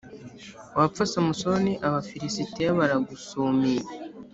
Wapfa Samusoni Abafilisitiya baragusumiye